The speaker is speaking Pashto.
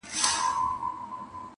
که مېرمني یې شپې ستړي په دُعا کړې!!